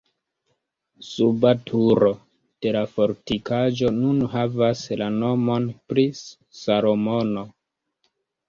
Suba turo de la fortikaĵo nun havas la nomon pri Salomono.